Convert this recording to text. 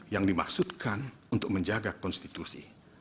yang dimaksudkan untuk menjaga konstitusi